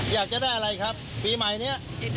อยากให้เศรษฐกิจดีขึ้นแบบนี้ค่ะ